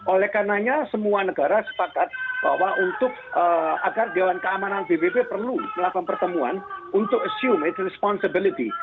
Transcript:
oleh karenanya semua negara sepakat bahwa untuk agar dewan keamanan pbb perlu melakukan pertemuan untuk assume itu responsibility